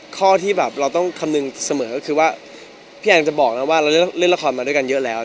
ข้อที่เราต้องคำนึงเสมอพี่อันจะบอกว่าเราเล่นละครมาด้วยกันเยอะแล้ว